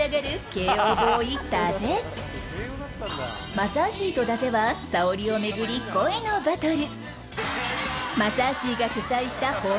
マサーシーとだぜはサオリを巡り恋のバトル。